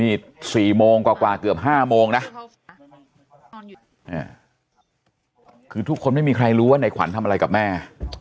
นี่๔โมงกว่าเกือบ๕โมงนะคือทุกคนไม่มีใครรู้ว่าในขวัญทำอะไรกับแม่